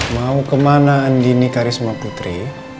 mau ke mana andini karisma putri